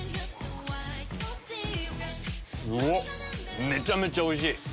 うおっめちゃめちゃおいしい！